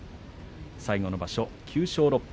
最後の場所、９勝６敗